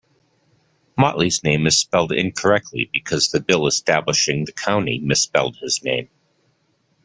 Mottley's name is spelled incorrectly because the bill establishing the county misspelled his name.